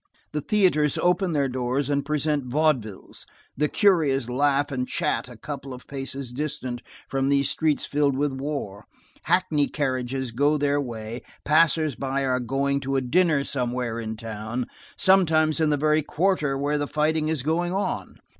The theatres open their doors and present vaudevilles; the curious laugh and chat a couple of paces distant from these streets filled with war. Hackney carriages go their way; passers by are going to a dinner somewhere in town. Sometimes in the very quarter where the fighting is going on.